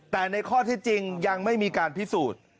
แต่ในข้อที่จริงยังไม่มีการพิสูจน์